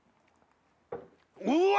うわ！